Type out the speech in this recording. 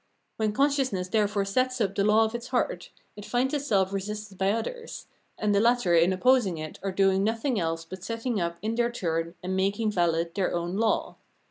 When consciousness therefore sets up the law of its heart, it finds itself re sisted by others, and the latter in opposing it are doing nothing else but setting up in their turn and making valid their own law.